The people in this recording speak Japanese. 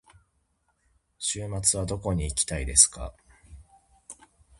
週末はどこに行きたいですか。